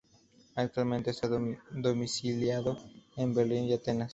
Actualmente está domiciliado en Berlín y Atenas.